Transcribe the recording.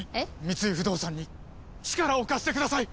三井不動産に力を貸してください！